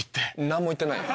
何も言ってないよ。